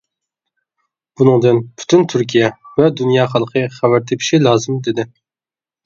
بۇنىڭدىن پۈتۈن تۈركىيە ۋە دۇنيا خەلقى خەۋەر تېپىشى لازىم دېدى.